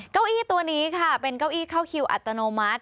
เก้าอี้ตัวนี้ค่ะเป็นเก้าอี้เข้าคิวอัตโนมัติ